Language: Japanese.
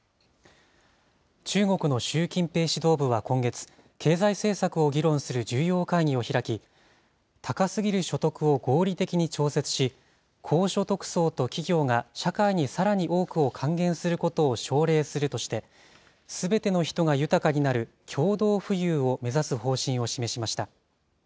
中国の習近平指導部は今月、経済政策を議論する重要会議を開き、高すぎる所得を合理的に調節し、高所得層と企業が社会にさらに多くを還元することを奨励するとして、すべての人が豊かになる共同富裕を目指す方針を示しました。